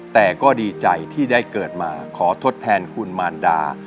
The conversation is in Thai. แต่ก็ดีใจที่ได้เกิดมาขอทดแทนคุณมารดา